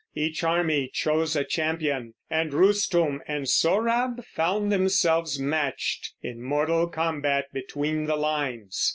Each army chose a champion, and Rustum and Sohrab found themselves matched in mortal combat between the lines.